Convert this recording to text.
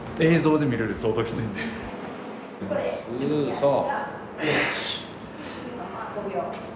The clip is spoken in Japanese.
そう。